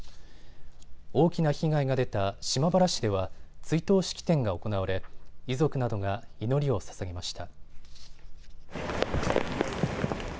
大きな被害が出た島原市では追悼式典が行われ遺族などが祈りをささげました。